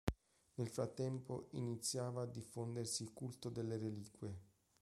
Nel frattempo iniziava a diffondersi il culto delle reliquie.